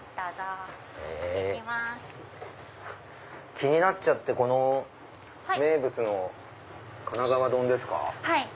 気になっちゃって名物のかながわ丼ですか。